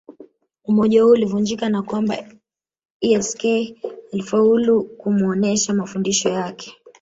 Umoja huo ulivunjika na kwamba Eck alifaulu kumuonesha mafundisho yake